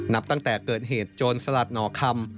นับตั้งแต่เกิดเหตุโจรสลัดหน่อคำ